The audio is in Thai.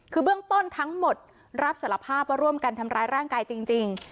คือเบื้องต้นทั้งหมดรับสารภาพว่าร่วมกันทำร้ายร่างกายจริง